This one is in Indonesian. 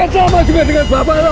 kenapa juga dengan bapak bu